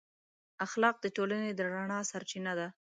اخلاق د ټولنې د رڼا سرچینه ده.